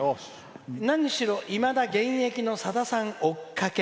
「何しろ、いまだ現役のさださん追っかけ。